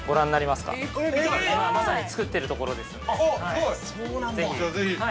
◆まさに作っているところですので。